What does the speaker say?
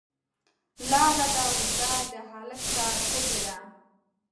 لار ده اوږده، د هلک ساه تږې ده